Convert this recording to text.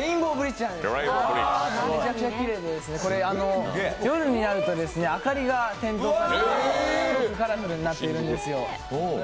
めちゃくちゃきれいで夜になると明かりが点灯されてすごくカラフルになっているんですよ。